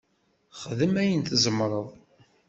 Xdem ayen tzemreḍ.